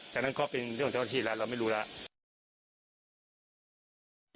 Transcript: จากนั้นก็เป็นเรื่องของเจ้าหน้าที่แล้วเราไม่รู้แล้ว